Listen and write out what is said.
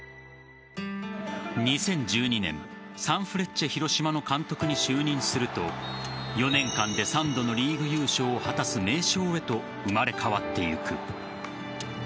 ２０１２年サンフレッチェ広島の監督に就任すると４年間で３度のリーグ優勝を果たす名将へと生まれ変わってゆく。